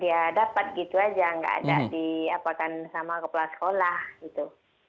ya dapat gitu aja nggak ada diapakan sama kepala sekolah gitu